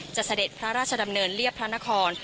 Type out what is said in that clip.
เสด็จพระราชดำเนินเรียบพระนคร